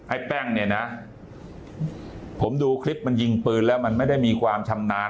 แป้งเนี่ยนะผมดูคลิปมันยิงปืนแล้วมันไม่ได้มีความชำนาญ